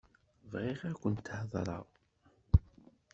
Bɣiɣ ad akent-heḍṛeɣ.